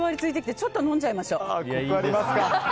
ちょっと飲んじゃいましょう。